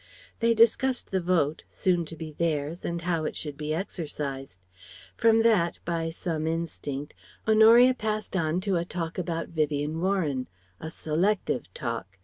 They discussed the Vote, soon to be theirs, and how it should be exercised. From that by some instinct Honoria passed on to a talk about Vivien Warren ... a selective talk.